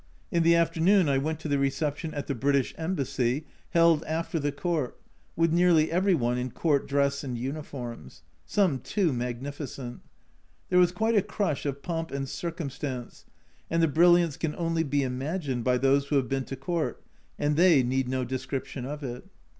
In the afternoon I went to the reception at the British Embassy, held after the Court, with nearly every one in Court dress and uniforms some too magnificent. There was quite a crush of Pomp and Circumstance, and the brilliance can only be imagined by those who have been to Court, and they need no description of it.